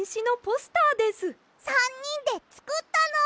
３にんでつくったの！